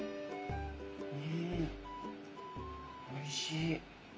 うんおいしい。